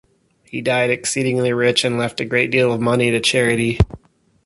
He died exceedingly rich and left a great deal of money to charity.